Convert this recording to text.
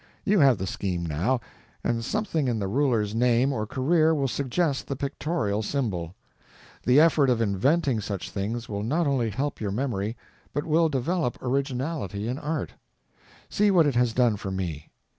You have the scheme now, and something in the ruler's name or career will suggest the pictorial symbol. The effort of inventing such things will not only help your memory, but will develop originality in art. See what it has done for me.